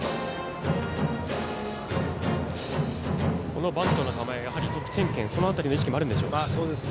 このバントの構え、得点圏その辺りの意識もあるんでしょうか。